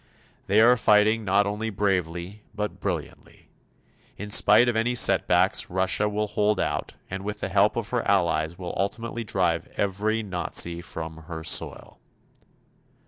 They are fighting not only bravely but brilliantly. In spite of any setbacks Russia will hold out, and with the help of her Allies will ultimately drive every Nazi from her soil.